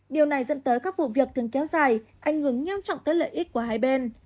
điều này dẫn tới các vụ việc thường kéo dài ảnh hưởng nghiêm trọng tới lợi ích của hai bên